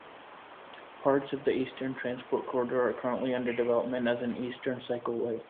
Parts of the Eastern Transport Corridor are currently under development as an Eastern Cycleway.